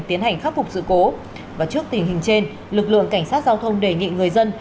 tiến hành khắc phục sự cố và trước tình hình trên lực lượng cảnh sát giao thông đề nghị người dân